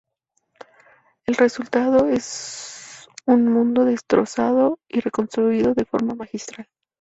El resultado es un mundo destrozado y reconstruido de forma magistral".